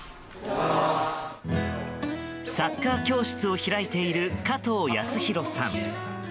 サッカー教室を開いている加藤康弘さん。